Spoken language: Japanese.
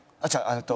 えっと。